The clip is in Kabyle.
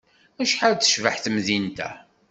Acḥal tecbeḥ temdint-a!